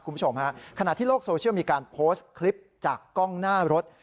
คุณผู้ชมฮะขณะที่โลกโซเชียลมีการโพสต์คลิปจากกล้องหน้ารถ